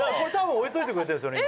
置いといてくれてるんですよね